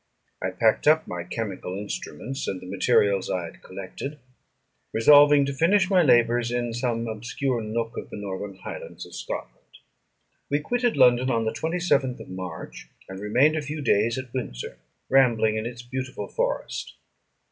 I packed up my chemical instruments, and the materials I had collected, resolving to finish my labours in some obscure nook in the northern highlands of Scotland. We quitted London on the 27th of March, and remained a few days at Windsor, rambling in its beautiful forest.